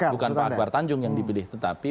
bukan pak akbar tanjung yang dipilih tetapi